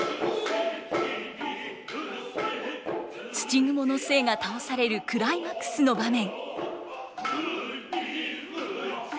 土蜘蛛の精が倒されるクライマックスの場面。